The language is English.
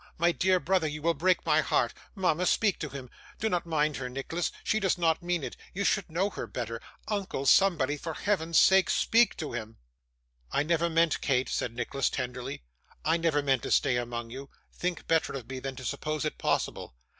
My dear brother, you will break my heart. Mama, speak to him. Do not mind her, Nicholas; she does not mean it, you should know her better. Uncle, somebody, for Heaven's sake speak to him.' 'I never meant, Kate,' said Nicholas, tenderly, 'I never meant to stay among you; think better of me than to suppose it possible.